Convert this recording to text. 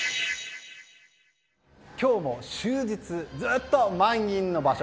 今日も終日、ずっと満員の場所